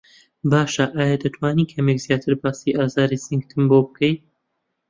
باشه ئایا دەتوانی کەمێک زیاتر باسی ئازاری سنگتم بۆ بکەی؟